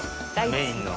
メインの。